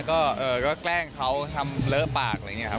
ก็แกล้งเขาทำเลอะปากอะไรอย่างนี้ครับ